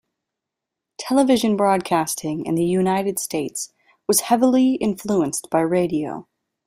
Television broadcasting in the United States was heavily influenced by radio.